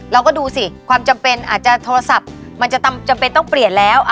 เราก็ดูสิความจำเป็นอาจจะโทรศัพท์มันจะจำเป็นต้องเปลี่ยนแล้ว